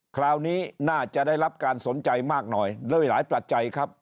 คราวนี้น่าจะได้รับการสนใจมากหน่อยแล้วมีหลายปัจจัยครับ